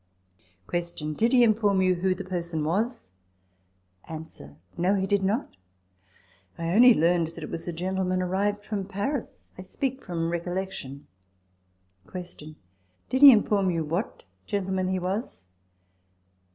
Q. Did he inform you who the person was ? TABLE TALK OF SAMUEL ROGERS 113 A. No, he did not; I only learned that it was a gentleman arrived from Paris ; I speak from recollection. Q. Did he inform you what gentleman he was